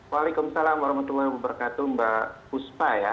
waalaikumsalam warahmatullahi wabarakatuh mbak puspa ya